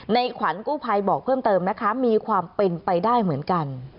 ขวัญกู้ภัยบอกเพิ่มเติมนะคะมีความเป็นไปได้เหมือนกัน